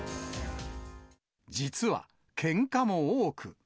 実は、けんかも多く。